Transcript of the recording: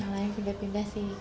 yang lain pindah pindah sih